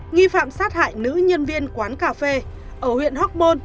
nghi phạm sát hại nữ nhân viên quán cà phê ở huyện hoc mon